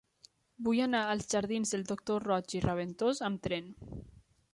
Vull anar als jardins del Doctor Roig i Raventós amb tren.